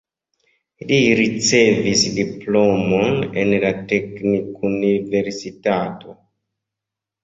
Li ricevis diplomon en la teknikuniversitato.